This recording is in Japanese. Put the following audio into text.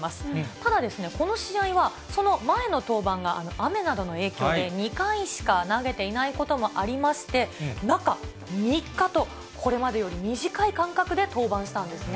ただですね、この試合はその前の登板が雨などの影響で、２回しか投げていないこともありまして、中３日と、これまでより短い間隔で登板したんですね。